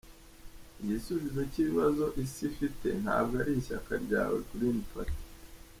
Igisubize cy’ibibazo isi ifite, ntabwo ari ishyaka ryawe Green Party.